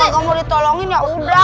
kalo gak mau ditolongin yaudah